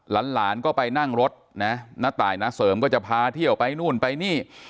หลานก็ไปนั่งรถนะณตายณเสริมก็จะพาเที่ยวไปนู่นไปนี่